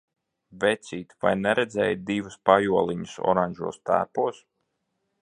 Vecīt, vai neredzēji divus pajoliņus oranžos tērpos?